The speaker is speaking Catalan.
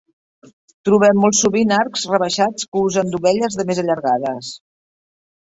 Trobem molt sovint arcs rebaixats que usen dovelles de més allargades.